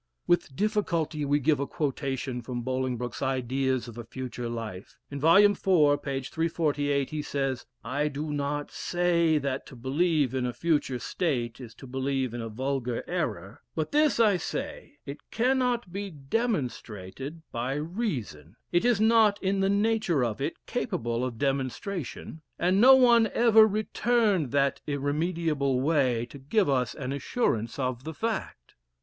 With difficulty we give a quotation from Boling broke's ideas of a Future Life. In vol. IV., p. 348, he says, "I do not say, that to believe in a future state is to believe in a vulgar error; but this I say, it cannot be demonstrated by reason: it is not in the nature of it capable of demonstration, and no one ever returned that irremediable way to give us an assurance of the fact."